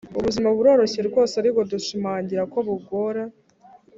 “ubuzima buroroshye rwose, ariko dushimangira ko bugora.”